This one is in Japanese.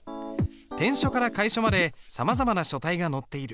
篆書から楷書までさまざまな書体が載っている。